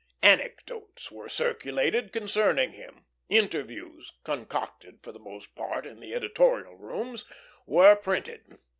"Anecdotes" were circulated concerning him, interviews concocted for the most part in the editorial rooms were printed.